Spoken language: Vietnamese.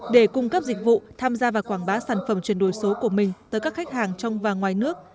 để cung cấp dịch vụ tham gia và quảng bá sản phẩm chuyển đổi số của mình tới các khách hàng trong và ngoài nước